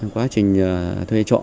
quá trình thuê trọ